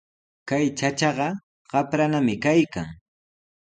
Kay chachaqa qapranami kaykan.